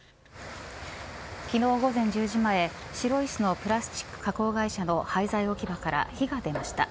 昨日、午前１０時前白井市のプラスチック加工会社の廃材置き場から火が出ました。